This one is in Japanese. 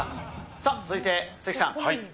さあ、続いて関さん。